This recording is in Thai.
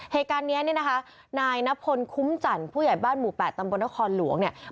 เหตุการณ์นี้เนี่ยนะคะนายนพลคุ้มจันทร์ผู้ใหญ่บ้านหมู่๘ตำบลนครหลวงเนี่ย